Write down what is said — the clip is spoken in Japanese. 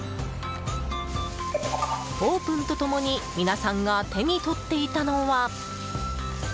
オープンと共に皆さんが手に取っていたのは。